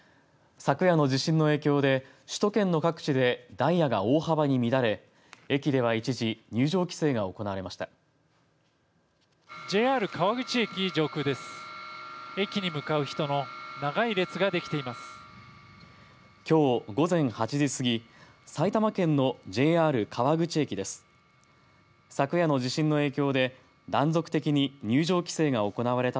昨夜の地震の影響で首都圏の各地でダイヤが大幅に乱れ駅では一時入場規制が行われました。